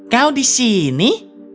kau di sini